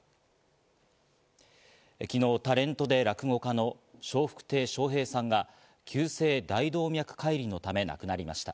昨日、タレントで落語家の笑福亭笑瓶さんが急性大動脈解離のため、亡くなりました。